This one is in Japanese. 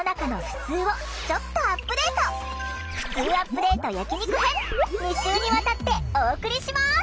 ふつうアップデート焼き肉編２週にわたってお送りします！